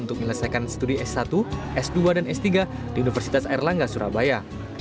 untuk menyelesaikan studi s satu s dua dan s tiga di universitas erlangga surabaya